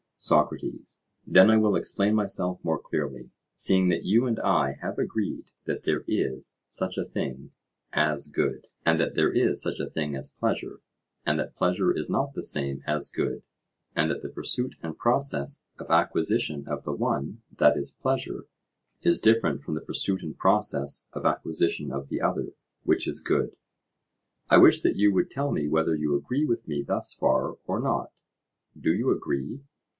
SOCRATES: Then I will explain myself more clearly: seeing that you and I have agreed that there is such a thing as good, and that there is such a thing as pleasure, and that pleasure is not the same as good, and that the pursuit and process of acquisition of the one, that is pleasure, is different from the pursuit and process of acquisition of the other, which is good—I wish that you would tell me whether you agree with me thus far or not—do you agree?